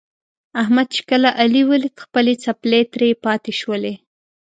احمد چې کله علي ولید خپلې څپلۍ ترې پاتې شولې.